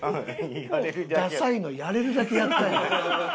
ダサいのやれるだけやったやん。